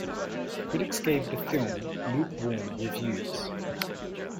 Critics gave the film lukewarm reviews.